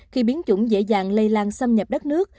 khi biến chủng dễ dàng lây lan xâm nhập đất nước